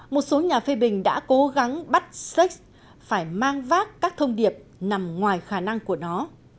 một số nhà phê bình đã cố gắng bắt sách phải mang vác các thông điệp nằm ngoài khả năng của nó